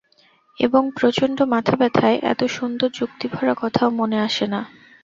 এবং প্রচণ্ড মাথাব্যথায় এত সুন্দর যুক্তিভরা কথাও মনে আসে না।